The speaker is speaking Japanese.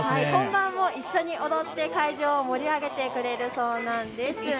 本番も一緒に踊って会場を盛り上げてくれるそうなんです。